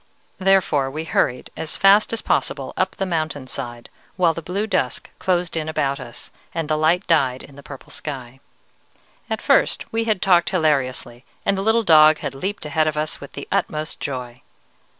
"Therefore we hurried as fast as possible up the mountain side, while the blue dusk closed in about us, and the light died in the purple sky. At first we had talked hilariously, and the little dog had leaped ahead of us with the utmost joy.